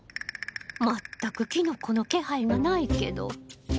全くキノコの気配がないけど。